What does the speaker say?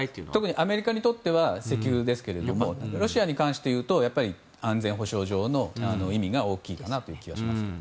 アメリカにとっては石油ですけどもロシアに関していうと安全保障上の意味が大きいという気がします。